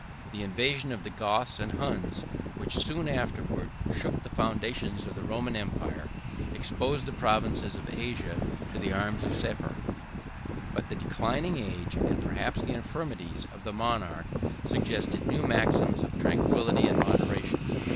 136 The invasion of the Goths and Huns which soon afterwards shook the foundations of the Roman empire, exposed the provinces of Asia to the arms of Sapor. But the declining age, and perhaps the infirmities, of the monarch suggested new maxims of tranquillity and moderation.